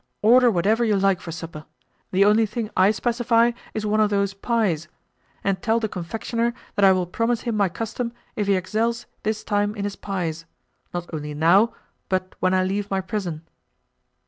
Order whatever you like for supper—the only thing I specify is one of those pies; and tell the confectioner that I will promise him my custom if he excels this time in his pies—not only now, but when I leave my prison."